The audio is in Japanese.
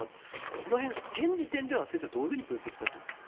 この辺、現時点で先生はどう分析されていますか？